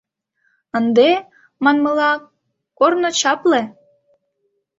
— Ынде, манмыла, корно чапле!